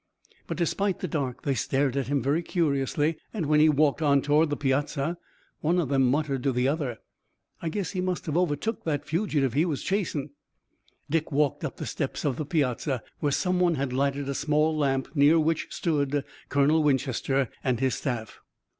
But despite the dark they stared at him very curiously, and when he walked on toward the piazza one of them muttered to the other: "I guess he must have overtook that fugitive he was chasin'." Dick walked up the steps upon the piazza, where some one had lighted a small lamp, near which stood Colonel Winchester and his staff.